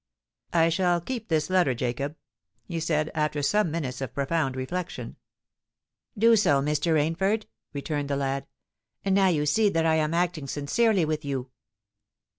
"I shall keep this letter, Jacob," he said, after some minutes of profound reflection. "Do so, Mr. Rainford," returned the lad. "And now you see that I am acting sincerely with you."